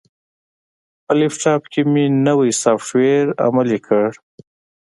په لپټاپ کې مې نوی سافټویر عملي کړ.